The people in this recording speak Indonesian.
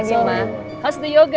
selamat pagi ibu